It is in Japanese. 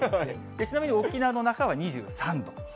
ちなみに沖縄の那覇は２３度。